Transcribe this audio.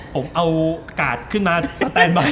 ผมเอากาดขึ้นมาสแตนบาย